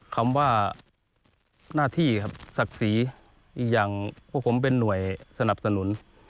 คำว่าหน้าที่ครับศักดิ์ศรีอีกอย่างพวกผมเป็นหน่วยสนับสนุน